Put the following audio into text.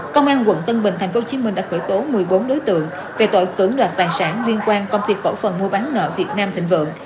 công an quận tân bình tp hcm đã khởi tố một mươi bốn đối tượng về tội cưỡng đoạt tài sản liên quan công ty cổ phần mua bán nợ việt nam thịnh vượng